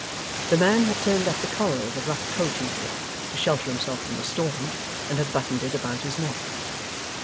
The man had turned up the collar of the rough coat he wore, to shelter himself from the storm, and had buttoned it about his neck.